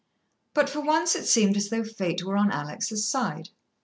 But for once it seemed as though fate were on Alex' side.